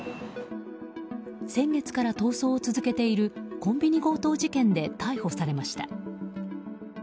先月から逃走を続けているコンビニ強盗事件で逮捕されました。